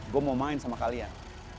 gue mau main sama kalian